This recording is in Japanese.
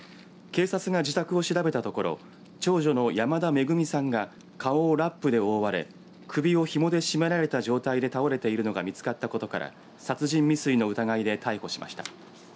警察が自宅を調べたところ長女の山田めぐみさんが顔をラップで覆われ首をひもで絞められた状態で倒れているのが見つかったことから殺人未遂の疑いで逮捕しました。